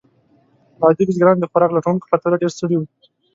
عادي بزګران د خوراک لټونکو پرتله ډېر ستړي وو.